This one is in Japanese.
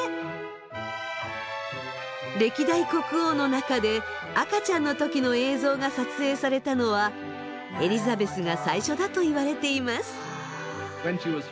歴代国王の中で赤ちゃんの時の映像が撮影されたのはエリザベスが最初だといわれています。